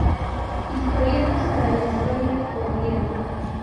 Historietas para la Historia, Oviedo.